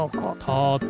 たて。